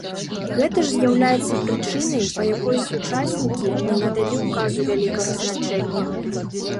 Гэта ж з'яўляецца прычынай, па якой сучаснікі не надалі ўказу вялікага значэння.